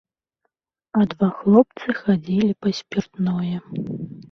А два хлопцы хадзілі па спіртное.